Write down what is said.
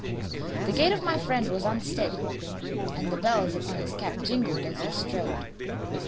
The gait of my friend was unsteady, and the bells upon his cap jingled as he strode.